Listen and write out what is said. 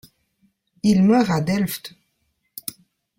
Il meurt à Delft.